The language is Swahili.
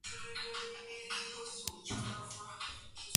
na mashabiki wa kandanda wapenzi wa michezo